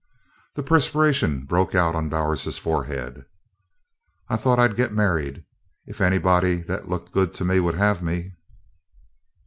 The perspiration broke out on Bowers's forehead. "I thought I'd git married, if anybody that looked good to me would have me."